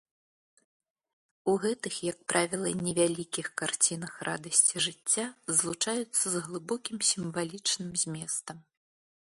У гэтых, як правіла, невялікіх карцінах радасці жыцця злучаюцца з глыбокім сімвалічным зместам.